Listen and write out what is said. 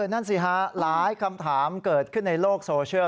นั่นสิฮะหลายคำถามเกิดขึ้นในโลกโซเชียล